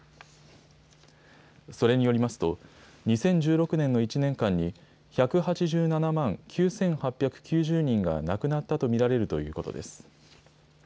それによりますと、２０１６年の１年間に、１８７万９８９０人が亡くなったと見られるということです。